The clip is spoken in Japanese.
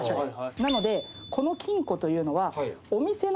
なのでこの金庫というのは。家庭の。